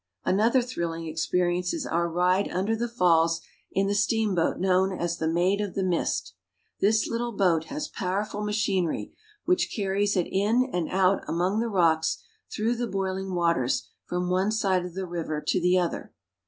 Another thrilling experience is our ride under the falls in the steamboat known as the Maid of the Mist. This little boat has powerful machinery, which carries it in and out among the rocks through the boihng waters from one side of the river to the other.